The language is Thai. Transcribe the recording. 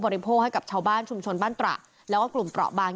โภคให้กับชาวบ้านชุมชนบ้านตระแล้วก็กลุ่มเปราะบาง